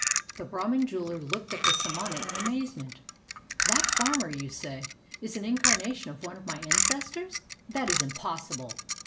The Brahman jeweler looked at the samana in amaze ment: "That farmer, you say, is an incarnation of one of my ancestors? That is impossible!"